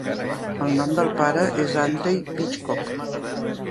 El nom del pare és Andrey Bychkov.